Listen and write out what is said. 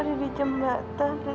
terus ibu lihat kamu mangga mangga ibu